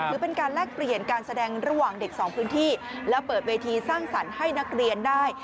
หรือเป็นการแลกเปลี่ยนการแสดงระหว่างเด็กสองพื้นที่แล้วเปิดเวทีสร้างสรรค์ให้นักเรียนได้